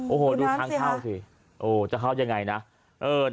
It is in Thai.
โอ้โฮดูทางเข้าสิจะเข้ายังไงนะน้ำเสียฮะ